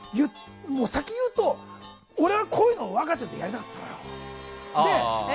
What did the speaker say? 先に言うと俺は、こういうのを若ちゃんとやりたかったのよ。